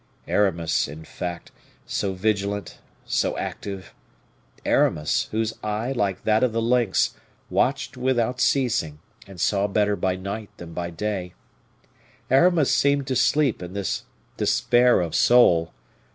Aramis, in fact, so vigilant, so active Aramis, whose eye, like that of the lynx, watched without ceasing, and saw better by night than by day Aramis seemed to sleep in this despair of soul.